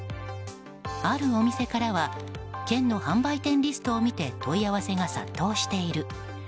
あるお店からは県の販売店リストを見て問い合わせが殺到している。